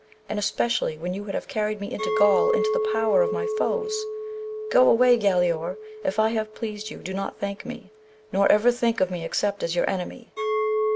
and • especially when you would have carried me into Gaul, into the power of my foes ? Go your way Galaor, if I have pleased you do not thank me, nor ever think of me except as your enemy.